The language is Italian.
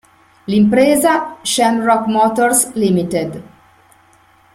L'impresa "Shamrock Motors Ltd.